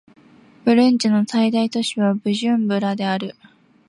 ブルンジの最大都市はブジュンブラである